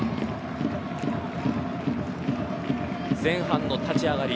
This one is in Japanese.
前半の立ち上がり。